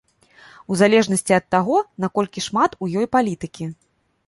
У залежнасці ад таго наколькі шмат у ёй палітыкі.